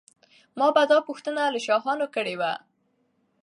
ما به دا پوښتنه له شاهانو کړې وي.